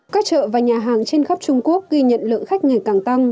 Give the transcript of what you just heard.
các chợ và nhà hàng trên khắp trung quốc ghi nhận lượng khách ngày càng tăng